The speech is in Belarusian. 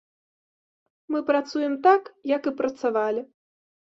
Мы працуем так, як і працавалі.